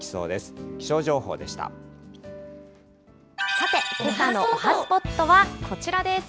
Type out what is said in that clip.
さて、けさのおはＳＰＯＴはこちらです。